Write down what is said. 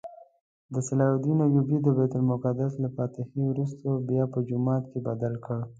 صلاح الدین ایوبي د بیت المقدس له فتحې وروسته بیا په جومات بدل کړ.